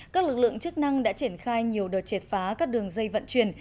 các lực lượng chức năng đã triển khai nhiều đợt triệt phá các đường dây vận chuyển